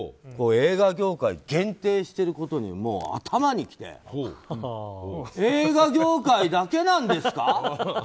映画業界に限定してることに頭にきて映画業界だけなんですか？